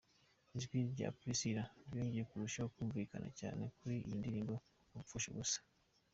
Ijwi rya Priscillah ryongeye kurushaho kumvikanira cyane kuri iyi ndirimbo Bagupfusha Ubusa:.